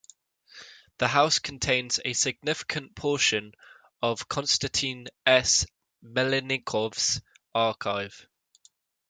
The house contains a significant portion of Konstantin S. Melnikov's archive.